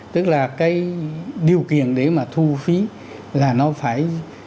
tức là cái điều kiện để mà thu phí là nó phải